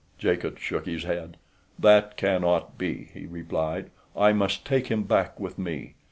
Jacot shook his head. "That cannot be," he replied. "I must take him back with me.